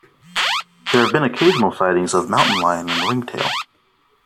There have been occasional sightings of mountain lion and ringtail.